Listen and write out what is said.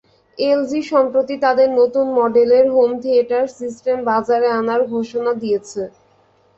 LG সম্প্রতি তাদের নতুন মডেলের হোম থিয়েটার সিস্টেম বাজারে আনার ঘোষণা দিয়েছে।